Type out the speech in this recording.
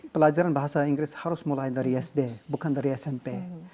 pelajaran bahasa inggris harus mulai dari sd bukan dari smp